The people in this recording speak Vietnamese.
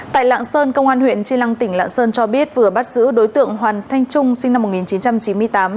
tại lạng sơn công an huyện tri lăng tỉnh lạng sơn cho biết vừa bắt giữ đối tượng hoàn thanh trung sinh năm một nghìn chín trăm chín mươi tám